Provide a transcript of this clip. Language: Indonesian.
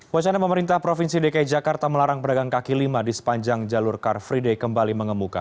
wacana pemerintah provinsi dki jakarta melarang pedagang kaki lima di sepanjang jalur car free day kembali mengemuka